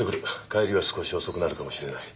帰りは少し遅くなるかもしれない。